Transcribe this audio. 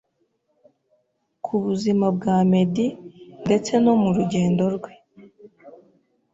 kubuzima bwa Meddy ndetse no murugendo rwe